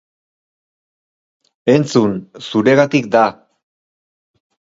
Entzun, zuregatik da!